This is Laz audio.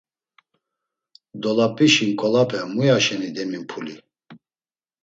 Dolap̌işi nǩolape muyaşeni demimpuli?